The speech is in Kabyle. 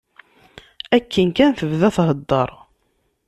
Akken kan tebda thedder.